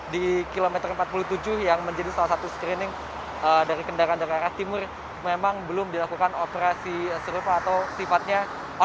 di kilometer empat puluh tujuh yang menjadi salah satu screening dari kendaraan dari arah timur memang belum dilakukan operasi serupa atau sifatnya